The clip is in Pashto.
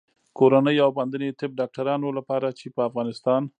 کورنیو او باندنیو طب ډاکټرانو لپاره چې په افغانستان